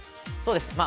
◆そうです。